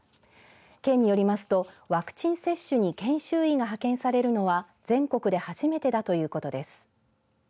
県によりますとワクチン接種に研修医が派遣されるのは全国で初めてだということです。